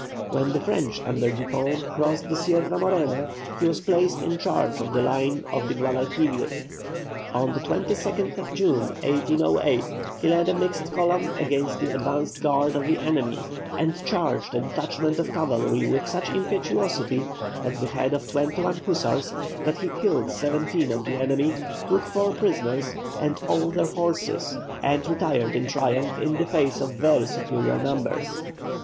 When the French under Dupont crossed the Sierra Morena, he was placed in charge of the line of the Guadalquivir. On the 28th June, 1808, he led a mixed column against the advanced guard of the enemy, and charged a detachment of cavalry with such impetuosity at the head of twenty one hussars, that he killed seventeen of the enemy, took four prisoners and all their horses, and retired in triumph, in the face of very superior numbers.